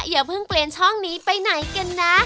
อย่าเพิ่งเปลี่ยนช่องนี้ไปไหนกันนะ